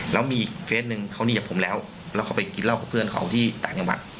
แล้วมีอีกเฟสหนึ่งเขานี่กับผมแล้วแล้วเขาไปกินเหล้ากับเพื่อนเขาที่ต่างจังหวัด